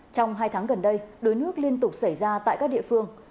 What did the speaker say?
trong hai tháng gần đây đuối nước liên tục xảy ra tại các địa phương